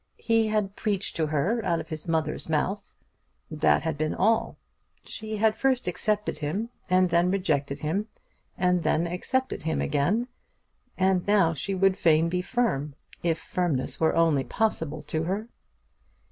He had preached to her out of his mother's mouth. That had been all! She had first accepted him, and then rejected him, and then accepted him again; and now she would fain be firm, if firmness were only possible to her.